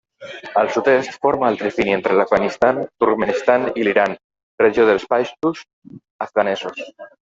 Al sud-est forma el trifini entre l'Afganistan, Turkmenistan i l'Iran, regió dels paixtus afganesos.